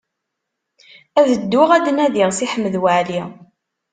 Ad dduɣ ad d-nadiɣ Si Ḥmed Waɛli.